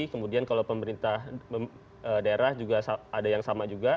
kemudian kalau pemerintah daerah juga ada yang sama juga